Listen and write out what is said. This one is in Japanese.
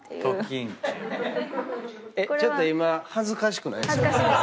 えっちょっと今恥ずかしくないですか？